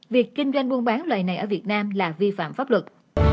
việc kinh doanh buôn bán loại này ở việt nam là vi phạm pháp luật